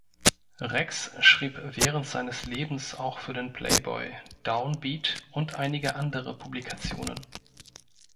Rex schrieb während seines Lebens auch für den „Playboy“, „Down Beat“ und einige andere Publikationen.